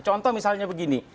contoh misalnya begini